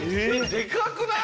でかくない？